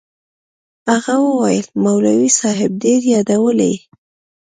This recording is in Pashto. هغه وويل مولوي صاحب ډېر يادولې.